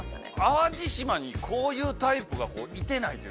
淡路島にこういうタイプがいてないというか。